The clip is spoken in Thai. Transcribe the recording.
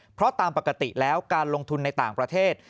เพราะตามปกติแล้วการลงทุนในต่างประเทศ